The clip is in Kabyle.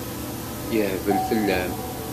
Yehbel fell-am.